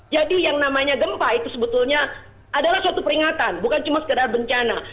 yang namanya gempa itu sebetulnya adalah suatu peringatan bukan cuma sekedar bencana